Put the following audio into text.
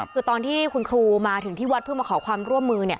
คือตอนที่คุณครูมาถึงที่วัดเพื่อมาขอความร่วมมือ